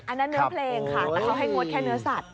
อันนั้นเนื้อเพลงค่ะแต่เขาให้งดแค่เนื้อสัตว